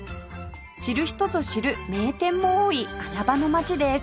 知る人ぞ知る名店も多い穴場の街です